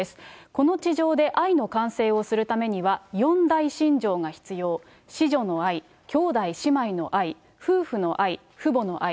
この地上で愛の完成をするためには、四大心情が必要、子女の愛、兄弟姉妹の愛、夫婦の愛、父母の愛。